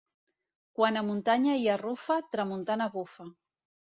Quan a muntanya hi ha rufa, tramuntana bufa.